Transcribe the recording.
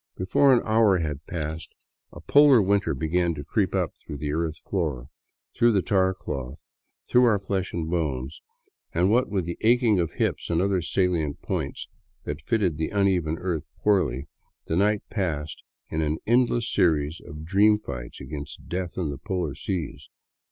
Before an hour had passed, a polar winter began to creep up through the earth floor, through the tar cloth, through our flesh and bones, and what with the aching of hips and other saHent points that fitted the uneven earth poorly, the night passed in an endless series of dream fights against death in the polar seas.